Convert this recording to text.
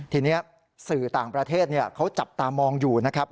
ทีนี้สื่อต่างประเทศเขาจับตามองอยู่นะครับ